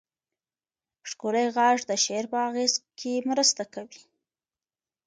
ښکلی غږ د شعر په اغېز کې مرسته کوي.